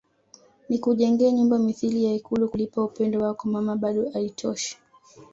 Nikujengee nyumba mithili ya ikulu kulipa upendo wako Mama bado aitoshi